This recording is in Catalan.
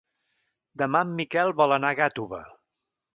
Demà en Miquel vol anar a Gàtova.